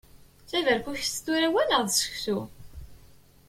D taberkukest tura wa neɣ d seksu?